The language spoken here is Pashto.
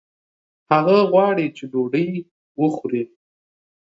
هغه غواړي چې ډوډۍ وخوړي